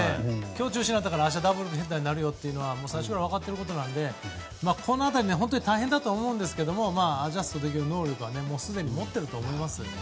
今日中止になったから明日、ダブルヘッダーになると最初から分かっていることなのでこの辺り本当に大変だと思いますがアジャストできる能力はすでに持っていると思います。